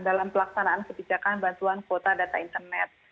dalam pelaksanaan kebijakan bantuan kuota data internet